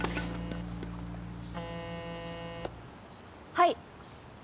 はい。